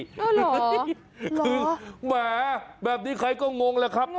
คือแหมแบบนี้ใครก็งงแล้วครับ